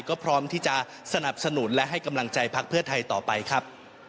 ก็พร้อมที่จะสนับสนุนและให้กำลังใจพักเพื่อไทยต่อไปครับ